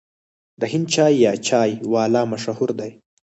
د هند چای یا چای والا مشهور دی.